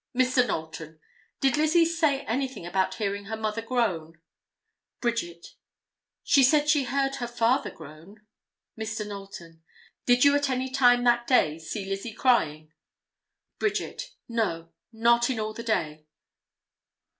Mr. Knowlton—"Did Lizzie say anything about hearing her mother groan?" Bridget—"She said she heard her father groan." Mr. Knowlton—"Did you at any time that day see Lizzie crying?" Bridget—"No, not in all the day."